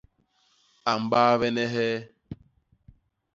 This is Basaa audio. A mbaabene hee?